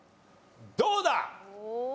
どうだ？